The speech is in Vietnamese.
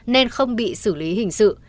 nên không bị xử lý hình sự